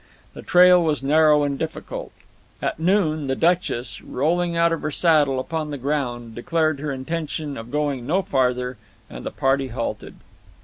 The trail was narrow and difficult. At noon the Duchess, rolling out of her saddle upon the ground, declared her intention of going no farther, and the party halted.